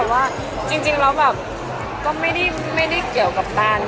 ว่าทำไมทุกคนจะต้องส่ง